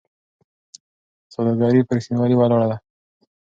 سوداګري په رښتینولۍ ولاړه ده.